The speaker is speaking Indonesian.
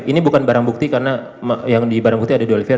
ini bukan barang bukti karena yang di barang bukti ada dua olivier